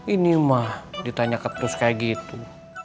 ini mah ditanya ketus kayak gitu